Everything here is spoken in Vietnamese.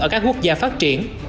ở các quốc gia phát triển